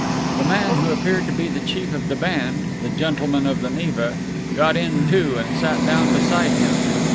The man who appeared to be the chief of the band (the gentleman of the Neva) got in too and sat down beside him.